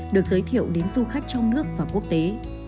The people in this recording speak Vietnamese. được giới thiệu đến du khách trong nước và quốc tế